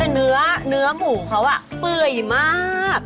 เนื้อเนื้อหมูเขาอ่ะปลือยมาก